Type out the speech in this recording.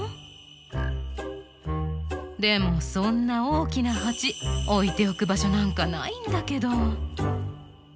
でもそんな大きな鉢置いておく場所なんかないんだけど」。